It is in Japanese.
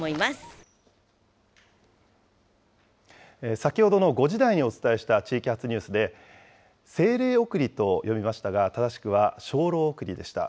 先ほどの５時台にお伝えした地域発ニュースで、せいれいおくりと読みましたが、正しくはしょうろうおくりでした。